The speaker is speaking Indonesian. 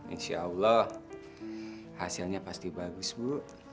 insya allah hasilnya pasti bagus bu